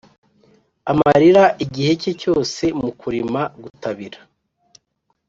amarira igihe cye cyose mu kurima, gutabira,